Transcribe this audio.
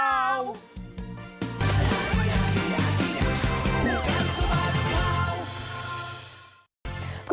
ขาดคุณผู้ชมไปดูเรื่องที่มันเกิดขึ้นได้อย่างไร